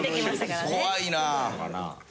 怖いな。